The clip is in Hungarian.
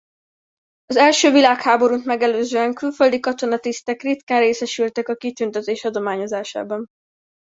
Az első világháborút megelőzően külföldi katonatisztek ritkán részesültek a kitüntetés adományozásában.